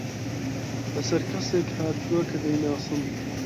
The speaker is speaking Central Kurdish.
بەسەر کەسێک هاتووە کە دەیناسم.